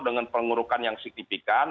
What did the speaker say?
dengan pengurukan yang signifikan